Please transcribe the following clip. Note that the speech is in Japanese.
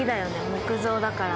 木造だから。